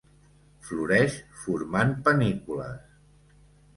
Floreix formant panícules.